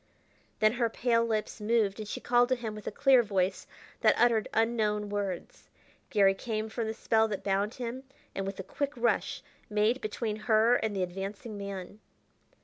Then her pale lips moved, and she called to him with a clear voice that uttered unknown words. Garry came from the spell that bound him, and with a quick rush made between her and the advancing man.